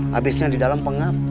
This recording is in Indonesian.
habisnya di dalam pengam